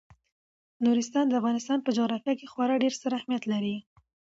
نورستان د افغانستان په جغرافیه کې خورا ډیر ستر اهمیت لري.